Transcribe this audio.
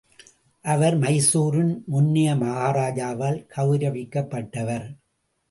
அவர் மைசூரின் முன்னைய மகாராஜாவால் கெளரவிக்கப்பட்டவர்.